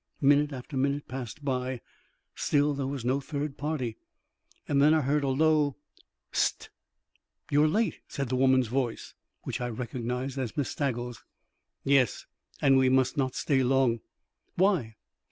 Minute after minute passed by, and still there was no third party. Then I heard a low "hist." "You're late," said the woman's voice, which I recognized as Miss Staggles'. "Yes; and we must not stay long." "Why?"